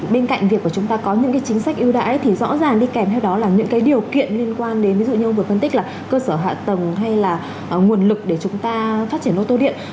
bên cạnh việc của chúng ta có những chính sách ưu đãi thì rõ ràng đi kèm theo đó là những cái điều kiện liên quan đến ví dụ như ông vừa phân tích là cơ sở hạ tầng hay là nguồn lực để chúng ta phát triển ô tô điện